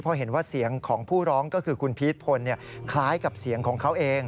เพราะเห็นว่าเสียงของผู้ร้องก็คือคุณพีชพลคล้ายกับเสียงของเขาเอง